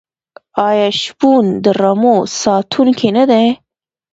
آیا شپون د رمو ساتونکی نه دی؟